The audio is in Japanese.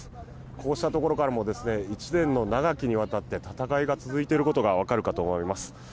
こうしたところからも１年の長きにわたって戦いが続いていることが分かるかと思います。